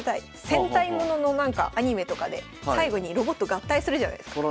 戦隊もののなんかアニメとかで最後にロボット合体するじゃないですか。